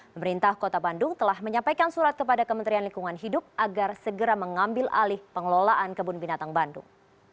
pemerintah kota bandung telah menyampaikan surat kepada kementerian lingkungan hidup agar segera mengambil alih pengelolaan kebun binatang bandung